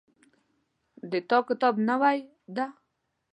د تا کتاب نوی ده